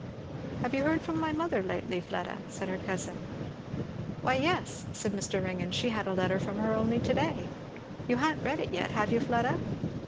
"Have you heard from my mother lately, Fleda?" said her cousin. "Why yes," said Mr. Ringgan, "she had a letter from her only to day. You ha'n't read it yet, have you, Fleda?"